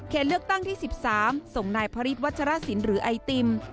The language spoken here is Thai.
เขตเลือกตั้งที่๑๓ทรงนายพระริษวัชฌาสินหรือไอติม